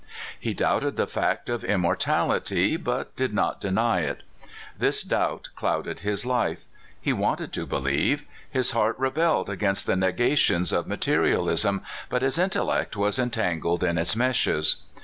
He doubted the fact of immortality, but did not deny it. This doubt clouded his life. He wanted to believe. His heart rebelled against the negations of materialism, but his intellect was en tangled in its meshes.